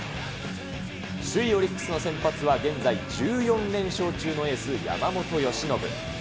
首位オリンピックの先発は、現在１４連勝中のエース、山本由伸。